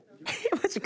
マジか。